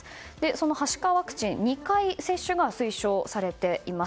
そのはしかワクチン２回接種が推奨されています。